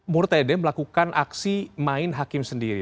murtede melakukan aksi main hakim sendiri